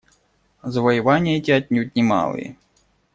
Завоевания эти отнюдь не малые.